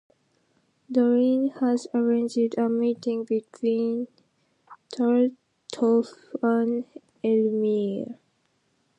Dorine has arranged a meeting between Tartuffe and Elmire.